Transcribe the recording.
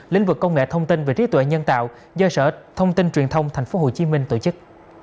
lĩnh vực công nghệ thông tin về trí tuệ nhân tạo do sở thông tin truyền thông tp hcm tổ chức